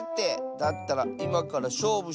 だったらいまからしょうぶしようよ。